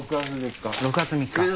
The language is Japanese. ６月３日。